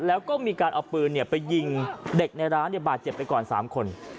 แล้วก็มีการเอาปืนไปยิงเด็กในร้านบาดเจ็บไปก่อน๓คน